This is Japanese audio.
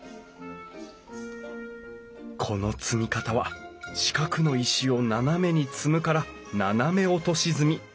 この積み方は四角の石を斜めに積むから斜め落とし積み。